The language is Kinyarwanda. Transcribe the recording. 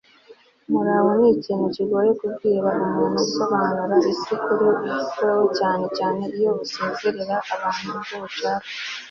muraho ni ikintu kigoye kubwira umuntu usobanura isi kuri wewe, cyane cyane iyo gusezera atari byo ushaka